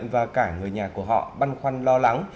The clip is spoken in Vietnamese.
các cơ sở khám chữa bệnh và cả người nhà của họ băn khoăn lo lắng